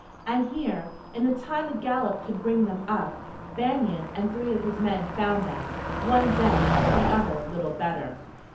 And here, in the time a gallop could bring them up, Banion and three of his men found them, one dead, the other little better.